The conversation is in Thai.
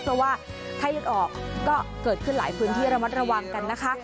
เพราะว่าไข้เลือดออกก็เกิดขึ้นหลายพื้นที่ระมัดระวังกันนะคะ